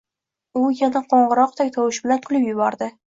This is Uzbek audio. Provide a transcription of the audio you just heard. U yana qo‘ng‘iroqdek tovush bilan kulib yubordi.